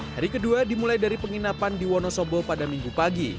hari kedua dimulai dari penginapan di wonosobo pada minggu pagi